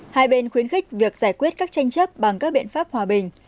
hai bên khuyến khích việc giải quyết các tranh chấp bằng các biện pháp hòa bình